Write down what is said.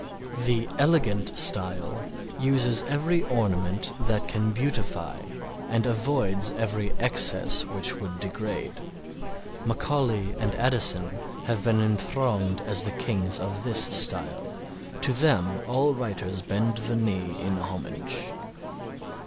The elegant style uses every ornament that can beautify and avoids every excess which would degrade. Macaulay and Addison have been enthroned as the kings of this style. To them all writers bend the knee in homage.